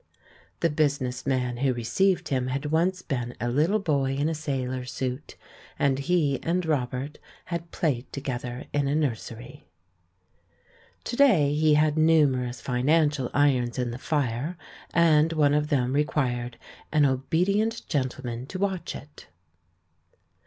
The business man who received him had once been a little boy in a sailor suit, and he and Rob ert had played together in a nursery. To day he had numerous financial irons in the fire, and one of them required an obedient gentleman to watch it.